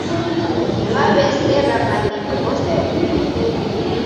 W'aw'ew'esera w'aghenyi w'ose w'ivike